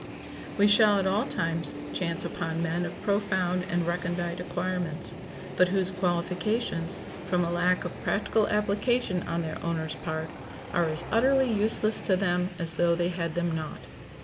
We shall at all times chance upon men of profound and recondite acquirements, but whose qualifications, from a lack of practical application on their owners' part, are as utterly useless to them as though they had them not.